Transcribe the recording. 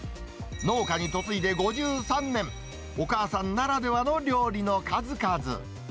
農家に嫁いで５３年、お母さんならではの料理の数々。